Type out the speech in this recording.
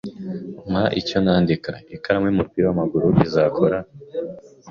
"Mpa icyo nandika." "Ikaramu y'umupira w'amaguru izakora?"